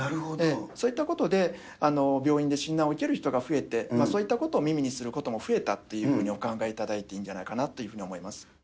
そういったことで病院で診断を受ける人が増えて、そういったことも耳にすることも増えたというふうにお考えいただいていいんじゃないかなというふうに思います。